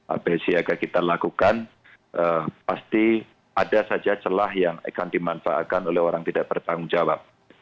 apel siaga kita lakukan pasti ada saja celah yang akan dimanfaatkan oleh orang tidak bertanggung jawab